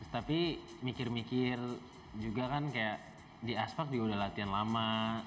tapi mikir mikir juga kan kayak di aspak juga udah latihan lama